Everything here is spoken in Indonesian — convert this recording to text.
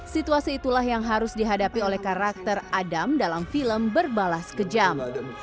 situasi itulah yang harus dihadapi oleh karakter adam dalam film berbalas kejam